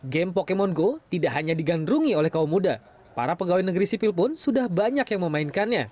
game pokemon go tidak hanya digandrungi oleh kaum muda para pegawai negeri sipil pun sudah banyak yang memainkannya